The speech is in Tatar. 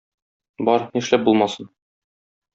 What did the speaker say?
Бар, нишләп булмасын.